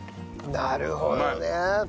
なるほどね。